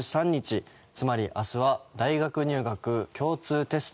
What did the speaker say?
つまり明日は大学入学共通テスト。